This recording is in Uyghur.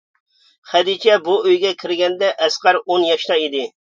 خەدىچە بۇ ئۆيگە كىرگەندە ئەسقەر ئون ياشتا ئىدى.